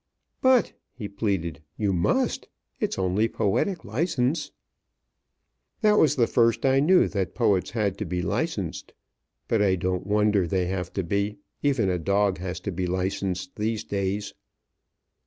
"But," he pleaded, "you must. It's only poetic license." That was the first I knew that poets had to be licensed. But I don't wonder they have to be. Even a dog has to be licensed, these days.